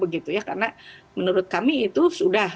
karena menurut kami itu sudah